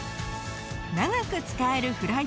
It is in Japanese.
長く使えるフライパン。